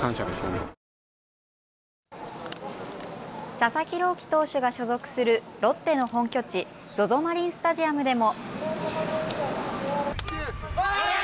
佐々木朗希投手が所属するロッテの本拠地、ＺＯＺＯマリンスタジアムでも。